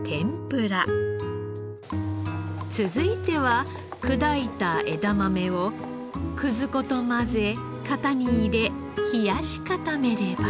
続いては砕いた枝豆をくず粉と混ぜ型に入れ冷やし固めれば。